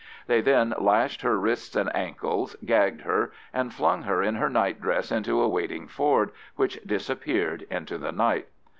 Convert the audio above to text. They then lashed her wrists and ankles, gagged her, and flung her in her nightdress into a waiting Ford, which disappeared into the night.